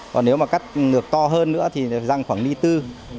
còn nếu mà cắt lược to hơn nữa thì răng khoảng ni tư